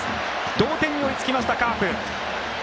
同点に追いつきました、カープ。